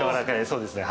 そうですね。